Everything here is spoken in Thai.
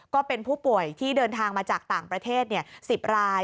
ก็เป็นผู้ป่วยที่เดินทางมาจากต่างประเทศ๑๐ราย